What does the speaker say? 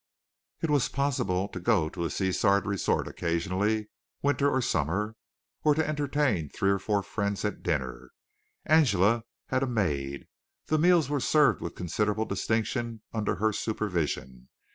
It was possible to go to a seaside resort occasionally, winter or summer, or to entertain three or four friends at dinner. Angela had a maid. The meals were served with considerable distinction under her supervision.